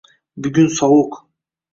Bugun sovuq